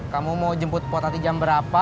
kamu mau jemput potati jam berapa